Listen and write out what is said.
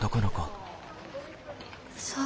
そう。